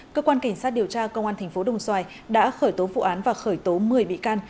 cơ quan cảnh sát điều tra công an tp đồng xoài đã khởi tố vụ án và khởi tố một mươi bị can